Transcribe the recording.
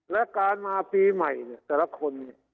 และการมาปีใหม่เนี่ยแต่ละคนเนี่ย